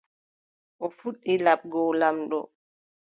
O fuɗɗi laɓgo laamɗo.